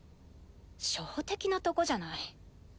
初歩的なとこじゃない。